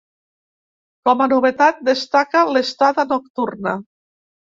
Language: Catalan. Com a novetat destaca l’estada nocturna.